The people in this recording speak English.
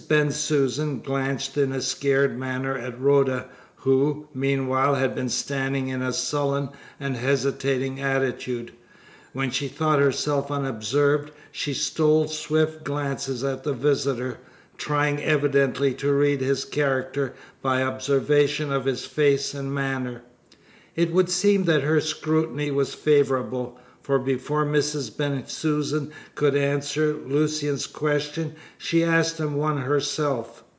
Bensusan glanced in a scared manner at Rhoda, who, meanwhile, had been standing in a sullen and hesitating attitude. When she thought herself unobserved, she stole swift glances at the visitor, trying evidently to read his character by observation of his face and manner. It would seem that her scrutiny was favourable, for before Mrs. Bensusan could answer Lucian's question she asked him one herself.